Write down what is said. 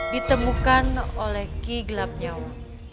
ditemukan oleh ki gelap nyawa